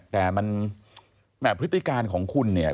แต่มันแหม่พฤติการของคุณเนี่ย